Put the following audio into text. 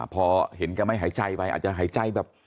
พอเห็นแกไม่หายใจไปอาจจะหายใจแบบ